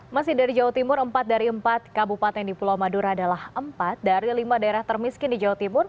masih dari jawa timur empat dari empat kabupaten di pulau madura adalah empat dari lima daerah termiskin di jawa timur